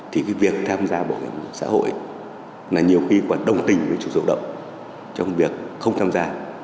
thì về việc tham gia bảo hiểm xã hội là nhiều khi còn đồng tình với chủ dự động trong việc không tham gia